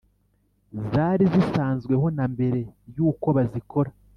Zari zisansweho na mbere y’uko bazikora